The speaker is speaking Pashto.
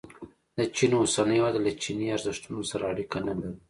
د چین اوسنۍ وده له چیني ارزښتونو سره اړیکه نه لري.